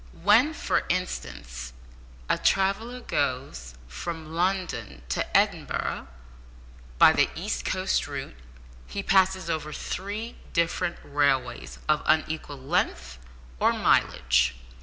When, for instance, a traveller goes from London to Edinburgh by the East Coast route, he passes over three different railways of unequal length, or mileage.